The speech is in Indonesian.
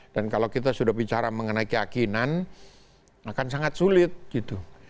dan kalau kita sudah bicara mengenai keyakinan akan sangat sulit gitu